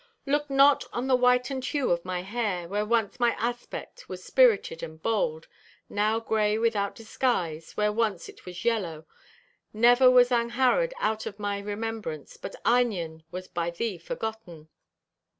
"Look not on the whitened hue of my hair, Where once my aspect was spirited and bold; Now gray, without disguise, where once it was yellow. Never was Angharad out of my remembrance, But Einion was by thee forgotten."'